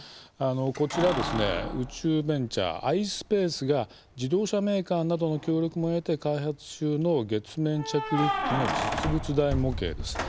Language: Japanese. こちら、宇宙ベンチャーアイスペースが自動車メーカーなどの協力も得て開発中の月面着陸機の実物大模型です。